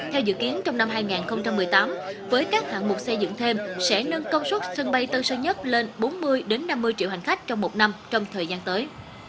theo dự kiến trong năm hai nghìn một mươi tám với các hạng mục xây dựng thêm sẽ nâng công suất sân bay tân sơn nhất lên bốn mươi năm mươi triệu hành khách trong một năm trong thời gian tới